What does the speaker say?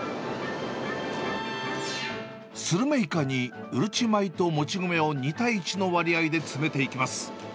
スルメイカにうるち米ともち米を２対１の割合で詰めていきます。